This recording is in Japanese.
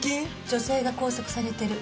女性が拘束されてる。